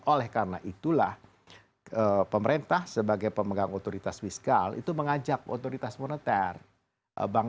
oleh karena itulah pemerintah sebagai pemegang otoritas fiskal itu mengajak otoritas moneter bank indonesia untuk mereka melakukan berhutang